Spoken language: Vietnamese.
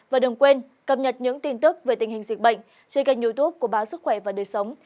và đừng quên cập nhật những tin tức về tình hình dịch bệnh trên kênh youtube của báo sức khỏe và đời sống